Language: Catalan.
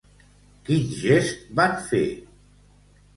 Quin gest van fer?